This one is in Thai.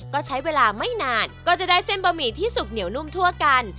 ก็ใช้เวลาไม่นานก็จะได้เส้นบะหมี่ที่สุกเหนียวนุ่มทั่วกัน